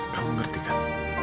kamu ngerti kan